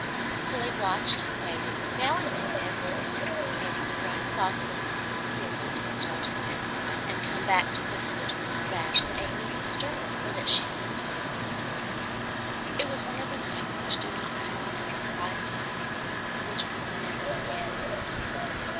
So they watched and waited. Now and then Ned Worthington or Katy would rise softly, steal on tiptoe to the bedside, and come back to whisper to Mrs. Ashe that Amy had stirred or that she seemed to be asleep. It was one of the nights which do not come often in a lifetime, and which people never forget.